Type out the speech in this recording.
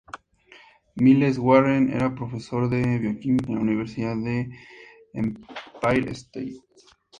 Miles Warren era profesor de bioquímica en la universidad Empire State.